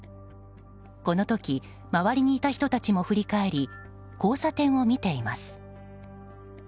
この時周りにいた人たちも振り返り交差点を見ています。